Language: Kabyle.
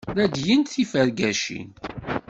Ledyent tifergacin.